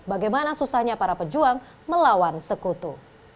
bagaimana susahnya para pejuang melawan sekutu